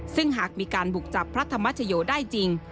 ซึ่งหากมีการบุกจับพระธรรมชโยได้จริง